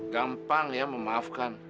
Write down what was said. gampang ya memaafkan